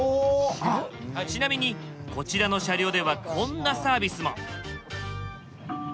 ちなみにこちらの車両ではこんなサービスも。